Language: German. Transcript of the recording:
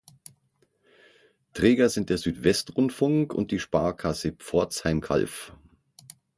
Träger sind der Südwestrundfunk und die Sparkasse Pforzheim Calw.